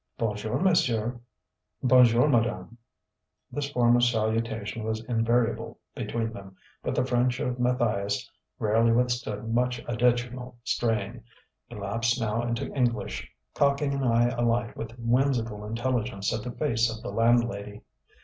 "Bon jour, monsieur." "Bon jour, madame." This form of salutation was invariable between them; but the French of Matthias rarely withstood much additional strain. He lapsed now into English, cocking an eye alight with whimsical intelligence at the face of the landlady.